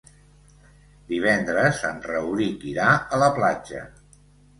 Divendres en Rauric irà a la platja.